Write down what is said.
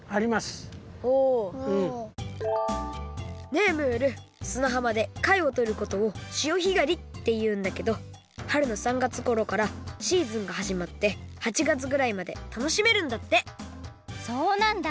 ねえムールすなはまでかいをとることを潮干狩りっていうんだけどはるの３がつごろからシーズンがはじまって８がつぐらいまで楽しめるんだってそうなんだ！